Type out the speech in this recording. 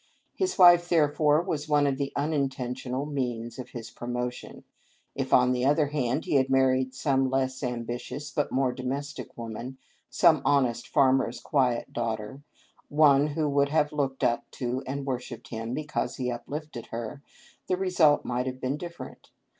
His wife, therefore, was one of the unin tentional means of his promotion. If, on the other hand, he had married some less ambitious but more domestic woman, some honest farmer's quiet daughter, — one who would have looked up to and worshipped him because he uplifted her, — the result might have been different.